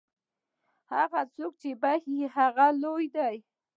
څوک چې بخښي، هغه لوی دی.